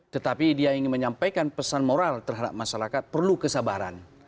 tetapi dia ingin menyampaikan pesan moral terhadap masyarakat perlu kesabaran